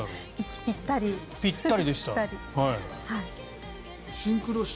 ぴったりでした。